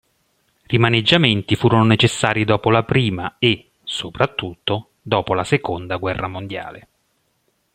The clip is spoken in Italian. Rimaneggiamenti furono necessari dopo la prima e, soprattutto, dopo la seconda guerra mondiale.